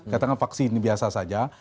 katanya vaksi ini biasa saja